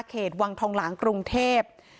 เขตวังทองหลังกรุงเทพฯ